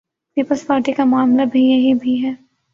Peoples Party کا معاملہ بھی یہی بھی ہے۔